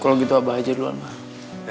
kalau gitu apa aja duluan pak